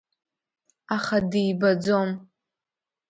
Аха дибаӡом.